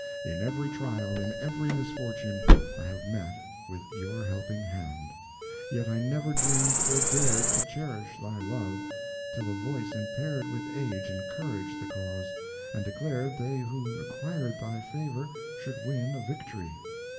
In every trial, in every misfortune, I have met with your helping hand; yet I never dreamed or dared to cherish thy love, till a voice impaired with age encouraged the cause, and declared they who acquired thy favor should win a victory.